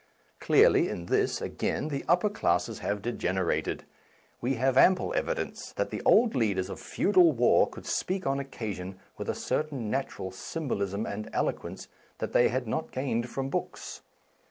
Clearly in this, again, the up per classes have degenerated. We have ample evidence that the old leaders of feudal war could speak on occasion with a certain natural symbolism and eloquence L57] . A Defence of Slang that they had not gained from books.